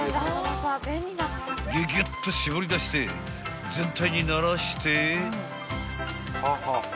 ［ギュギュッとしぼり出して全体にならして］